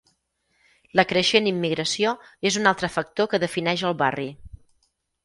La creixent immigració és un altre factor que defineix el barri.